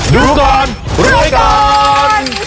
ดูก่อนรวยก่อน